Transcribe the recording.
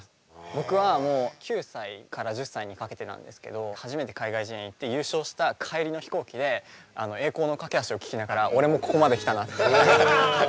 僕は９歳から１０歳にかけてなんですけど初めて海外試合に行って優勝した帰りの飛行機で「栄光の架橋」を聴きながら俺もここまで来たなっていう。